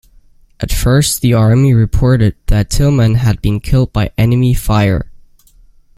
At first, the Army reported that Tillman had been killed by enemy fire.